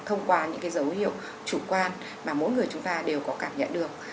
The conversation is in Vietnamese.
thông qua những dấu hiệu chủ quan mà mỗi người chúng ta đều có cảm nhận được